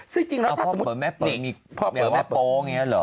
ซึ่งจริงแล้วถ้าสมมุติพ่อเป๋อแม่เป๋อมีเหลือว่าโป๊ะอย่างนี้หรือ